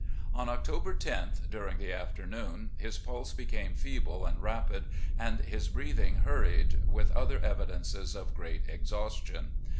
"On October loth, during the afternoon, his pulse became feeble and rapid, and his breathing hurried, with other evidences of great exhaustion.